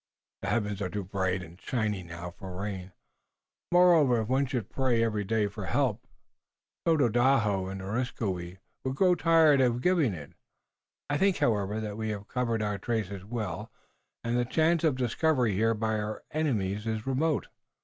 "The heavens are too bright and shining now for rain. Moreover, if one should pray every day for help, Tododaho and Areskoui would grow tired of giving it. I think, however, that we have covered our traces well, and the chance of discovery here by our enemies is remote."